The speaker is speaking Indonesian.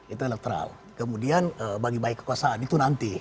itu elektoral kemudian bagi bagi kekuasaan itu nanti